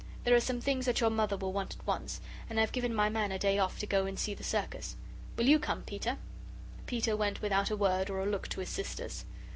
There are some things that your Mother will want at once, and I've given my man a day off to go and see the circus; will you come, Peter?" Peter went without a word or a look to his sisters.